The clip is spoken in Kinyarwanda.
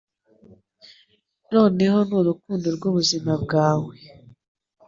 noneho ni urukundo rw'ubuzima bwawe.